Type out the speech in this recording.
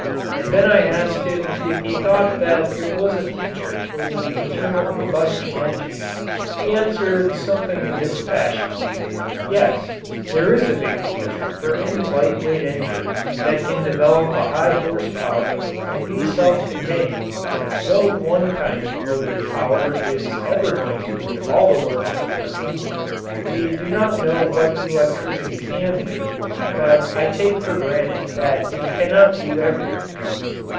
And then I asked him if he thought that there was a future for the internal combustion engine. He answered something in this fashion: Yes, there is a big future for any light weight engine that can develop a high horsepower and be self contained. No one kind of motive power is ever going to do all the work of the country. We do not know what electricity can do, but I take for granted that it cannot do everything.